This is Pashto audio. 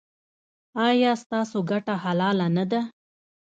ایا ستاسو ګټه حلاله نه ده؟